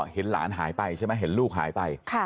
เห็นหลานหายไปใช่ไหม